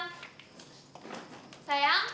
padahal miring tuh buat siang